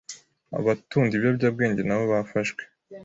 abatunda ibiyobyabwenge nabo bafashwe